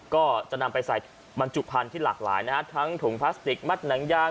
ก็จะนำไปใส่บรรจุพันธุ์ที่หลากหลายนะฮะทั้งถุงพลาสติกมัดหนังยาง